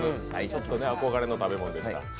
ちょっと憧れの食べ物でした。